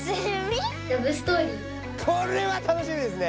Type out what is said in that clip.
これはたのしみですね！